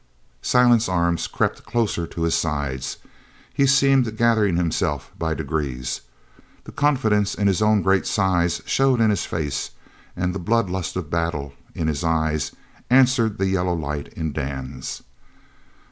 Silent's arms crept closer to his sides. He seemed gathering himself by degrees. The confidence in his own great size showed in his face, and the blood lust of battle in his eyes answered the yellow light in Dan's.